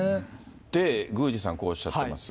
で、宮司さんこうおっしゃってます。